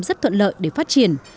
rất thuận lợi để phát triển